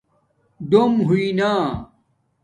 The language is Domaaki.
ڈوم ہوئئ نہ